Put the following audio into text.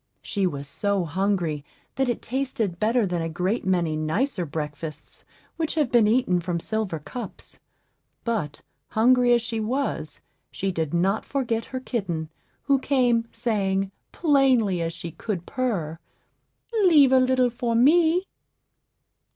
She was so hungry that it tasted better than a great many nicer breakfasts which have been eaten from silver cups; but, hungry as she was, she did not forget her kitten, who came, saying, plainly as she could purr, "Leave a little for me."